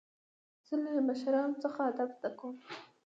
زه له مشرانو څخه ادب زده کوم.